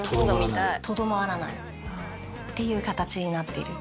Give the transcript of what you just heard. とどまらないっていう形になってる。